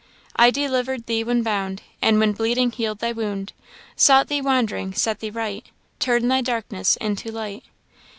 " 'I deliver'd thee when bound, And when bleeding heal'd thy wound; Sought thee wandering, set thee right Turn'd thy darkness into light.